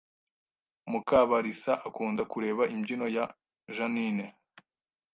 Mukabarisa akunda kureba imbyino ya Jeaninne